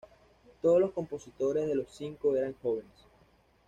Todos los compositores de Los Cinco eran jóvenes.